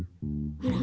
あら。